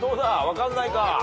分かんないか。